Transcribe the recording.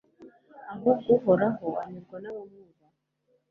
uhubwo uhoraho anyurwa n'abamwubaha